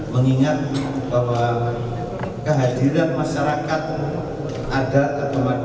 mengingat bahwa kehadiran masyarakat ada atau tidak